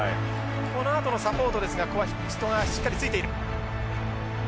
このあとのサポートですがここは人がしっかりついている。